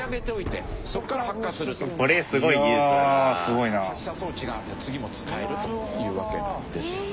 これなら発射装置があって次も使えるというわけなんですよね。